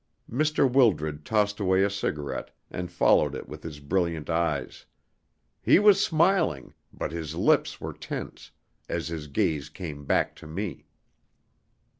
Mr. Wildred tossed away a cigarette, and followed it with his brilliant eyes. He was smiling, but his lips were tense, as his gaze came back to me.